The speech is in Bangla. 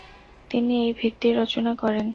তিনি এই ভিত্তি রচনা করেন।